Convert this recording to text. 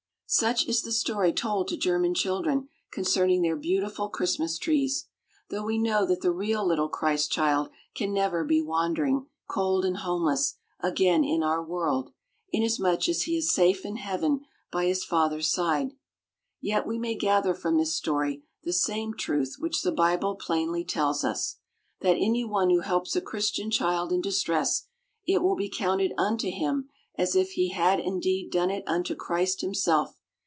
Such is the story told to German children concerning their beautiful Christmas trees, though we know that the real little Christ child can never be wandering, cold and homeless, again in our world, inasmuch as he is safe in heaven by his Father's side; yet we may gather from this story the same truth which the Bible plainly tells us that any one who helps a Christian child in distress, it will be counted unto him as if he had indeed done it unto Christ himself.